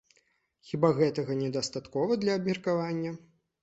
Хіба гэтага не дастаткова для абмеркавання?